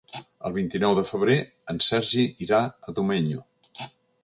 El vint-i-nou de febrer en Sergi irà a Domenyo.